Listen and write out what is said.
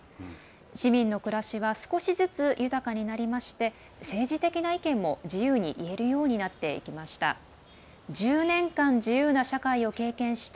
市民の暮らしは少しずつ豊かになりまして政治的な意見も自由に言えるようになっていきました。